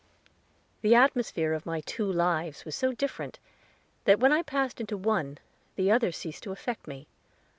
The atmosphere of my two lives was so different, that when I passed into one, the other ceased to affect me.